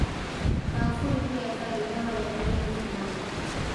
Kaafuri pia kali, dawa ya ndwele Fulani,